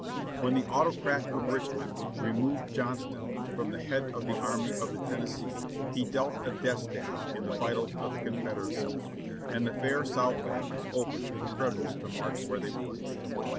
When the Autocrat of Richmond removed Johnston from the head of the Army of the Tennessee he dealt a stab deep in the vitals of the Confederacy, and the fair Southland was open to the Federals to march where they would.